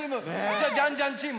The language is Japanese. じゃあジャンジャンチーム。